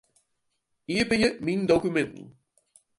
Iepenje Myn dokuminten.